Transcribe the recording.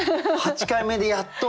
８回目でやっと。